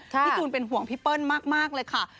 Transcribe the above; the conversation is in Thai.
จูนเป็นห่วงพี่เปิ้ลมากเลยค่ะ